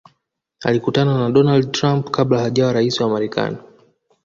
alikutana na donald trump kabla hajawa raisi wa marekani